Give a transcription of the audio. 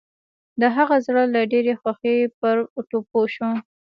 د هغه زړه له ډېرې خوښۍ پر ټوپو شو.